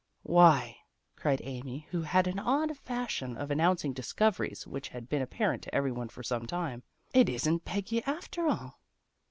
" Why! " cried Amy, who had an odd fash ion of announcing discoveries which had been apparent to everyone for some time, " It isn't Peggy after all."